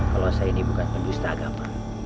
kalau saya ini bukan pendusta agama